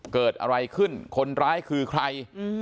เกิดอะไรขึ้นคนร้ายคือใคร